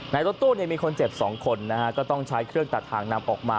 ในรถตู้นี่มีคนเจ็บสองคนนะครับก็ต้องใช้เครื่องตัดทางนำออกมา